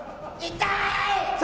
痛い！